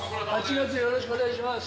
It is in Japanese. ８月、よろしくお願いします。